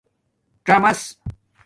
څامَس